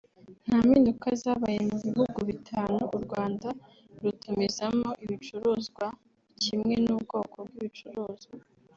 nta mpinduka zabaye mu bihugu bitanu u Rwanda rutumizamo ibicuruzwa kimwe n’ubwoko bw’ibicuruzwa